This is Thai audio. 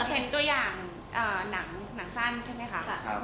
เห็นตัวอย่างหนังสั้นใช่ไหมคะ